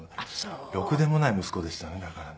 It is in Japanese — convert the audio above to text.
ろくでもない息子でしたねだからね。